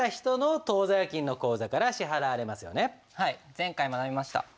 前回学びました。